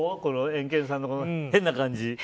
エンケンさんの変な感じ。